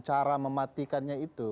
cara mematikannya itu